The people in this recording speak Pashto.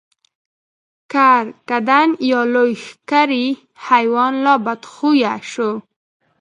کرکدن یا لوی ښکری حیوان لا بدخویه شو.